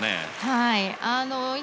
はい。